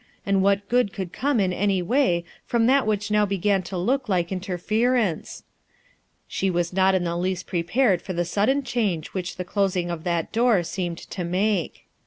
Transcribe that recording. and what good could come in any way from that which now began to look like inter ference ? She was not in the least prepared for the sudden change which the closing of that door seemed to make.